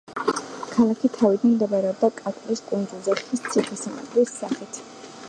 ქალაქი თავიდან მდებარეობდა კაკლის კუნძულზე ხის ციხესიმაგრის სახით.